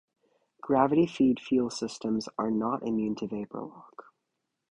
Gravity feed fuel systems are not immune to vapor lock.